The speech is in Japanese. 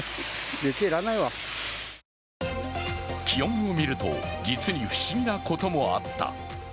気温を見ると、実に不思議なこともあった。